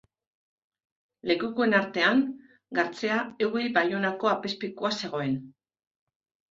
Lekukoen artean Gartzea Eugi Baionako apezpikua zegoen.